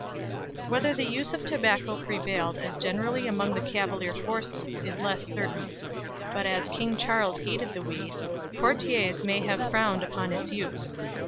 Whether the use of tobacco prevailed as generally among the Cavalier forces is less certain; but as King Charles hated the weed, courtiers may have frowned upon its use.